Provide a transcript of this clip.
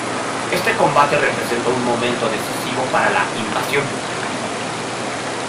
Este combate representó un momento decisivo para la "Invasión".